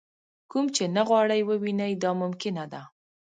کوم چې نه غواړئ ووینئ دا ممکنه ده.